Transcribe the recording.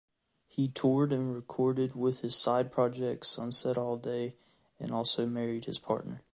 He toured and recorded with his side project, "sunsetsallday" and also married his partner.